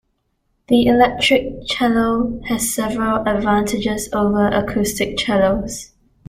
The electric cello has several advantages over acoustic cellos.